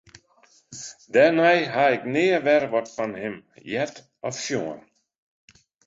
Dêrnei ha ik nea wer wat fan him heard of sjoen.